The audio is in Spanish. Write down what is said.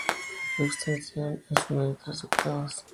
Su extensión es de unas tres octavas.